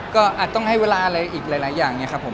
ก็อาจต้องให้เวลาอะไรอีกหลายอย่างเนี่ยครับผม